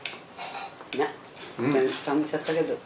冷めちゃったけど。